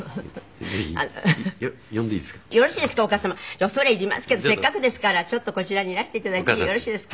じゃあ恐れ入りますけどせっかくですからちょっとこちらにいらして頂いてよろしいですか？